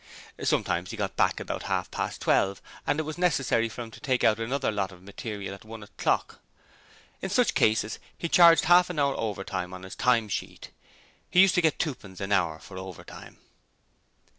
Sometimes he got back about half past twelve, and it was necessary for him to take out another lot of material at one o'clock. In such a case he 'charged' half an hour overtime on his time sheet he used to get twopence an hour for overtime.